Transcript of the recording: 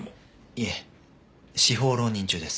いえ司法浪人中です。